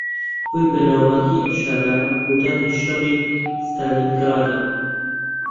ھۆی بەناوبانگی ئەم شارە، ڕوودانی شەڕی ستالینگرادە